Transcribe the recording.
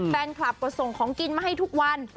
แฟนคลับก็ส่งของกินมาให้ทุกวัน